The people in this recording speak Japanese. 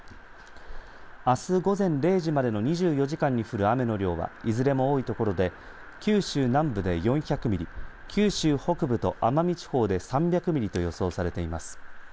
あす午前０時までの２４時間に降る雨の量はいずれも多いところで九州南部で４００ミリ九州北部と奄美地方で３００ミリと予想されています。